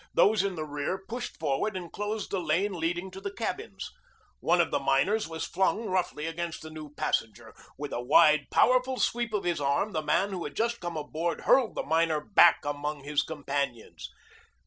Those in the rear pushed forward and closed the lane leading to the cabins. One of the miners was flung roughly against the new passenger. With a wide, powerful sweep of his arm the man who had just come aboard hurled the miner back among his companions.